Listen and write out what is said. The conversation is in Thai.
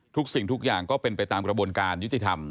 สิ่งทุกอย่างก็เป็นไปตามกระบวนการยุติธรรม